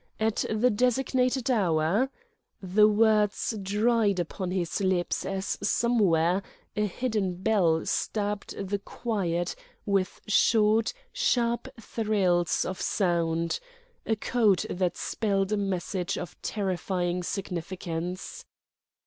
At the designated hour—" The words dried upon his lips as somewhere a hidden bell stabbed the quiet with short, sharp thrills of sound, a code that spelled a message of terrifying significance.